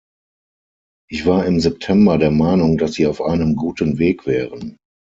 Ich war im September der Meinung, dass Sie auf einem guten Weg wären.